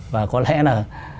và có lẽ là